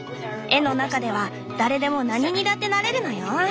絵の中では誰でも何にだってなれるのよ。